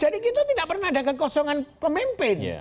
jadi kita tidak pernah ada kekosongan pemimpin